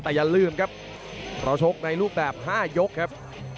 แต่อย่าลืมครับเราชกในรูปแบบ๕ยกครับ